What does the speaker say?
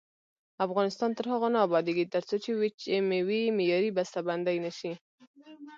افغانستان تر هغو نه ابادیږي، ترڅو وچې میوې معیاري بسته بندي نشي.